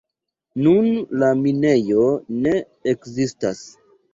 Nun la minejo ne ekzistas.